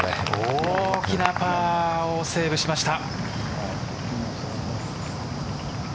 大きなパーをセーブしました。